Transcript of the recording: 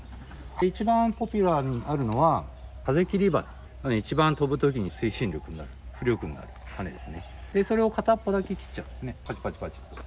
一番ポピュラーにあるのは、風切り羽一番飛ぶときに推進力になる、浮力になる羽ですね、それを片っぽだけ切っちゃうんですね、ぱちぱちぱちっと。